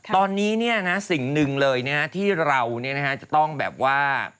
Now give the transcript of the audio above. ตอนนี้สิ่งหนึ่งเลยที่เราจะต้องแบบว่า